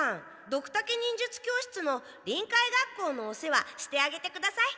ドクタケ忍術教室の臨海学校のお世話してあげてください。